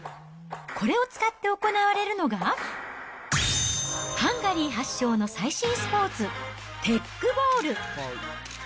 これを使って行われるのが、ハンガリー発祥の最新スポーツ、テックボール。